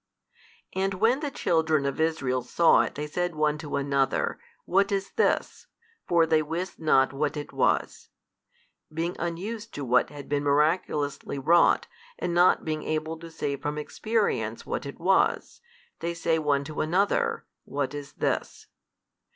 And when the children of Israel saw it they said one to another, What is this? for they wist not what it was; being unused to what had been miraculously wrought and not being able to say from experience what it was, they say one to another What is this?